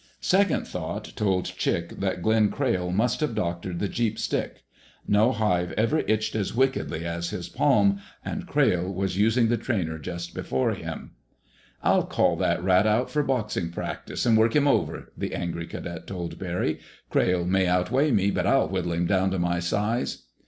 Second thought told Chick that Glenn Crayle must have doctored the "Jeep's" stick. No hive ever itched as wickedly as his palm; and Crayle was using the trainer just before him. "I'll call that rat out for boxing practice, and work him over," the angry cadet told Barry. "Crayle may outweigh me, but I'll whittle him down to my size."